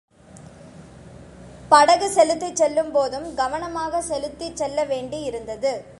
படகு செலுத்திச் செல்லும்போதும் கவனமாக செலுத்திச் செல்லவேண்டியிருந்தது.